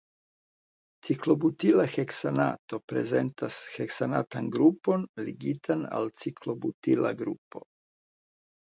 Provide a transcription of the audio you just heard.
Ciklobutila heksanato prezentas heksanatan grupon ligitan al ciklobutila grupo.